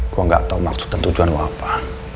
gue gak tau maksud dan tujuan mau apa